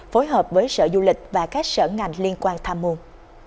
phối hợp với sở du lịch và các sở ngành liên quan tham môn